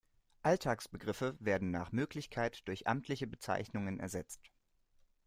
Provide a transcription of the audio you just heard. Alltagsbegriffe werden nach Möglichkeit durch amtliche Bezeichnungen ersetzt.